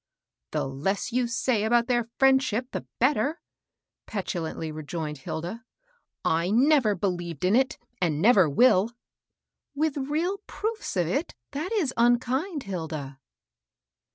" The less you say about their friendship, the better," petulantly rejoined Hilda. I never be lieved in it, and never will." " With real proofe of it, that is unkind, Hilda."